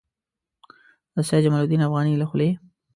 د سید جمال الدین افغاني له خولې.